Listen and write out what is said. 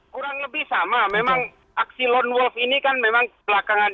kurang lebih sama memang aksi lone wolf ini kan memang belakangan